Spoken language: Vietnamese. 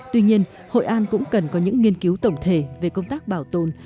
tuy nhiên hội an cũng cần có những nghiên cứu tổng thể về công tác bảo tồn